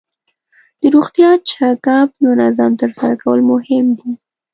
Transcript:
د روغتیا چک اپ منظم ترسره کول مهم دي.